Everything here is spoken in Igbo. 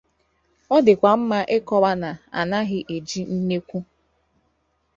Ọ dịkwa mma ịkọwa na a naghị eji nnekwu